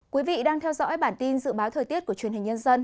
quý vị đang theo dõi bản tin dự báo thời tiết của truyền hình nhân dân